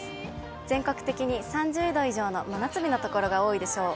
全国的に３０度以上の真夏日の所が多いでしょう。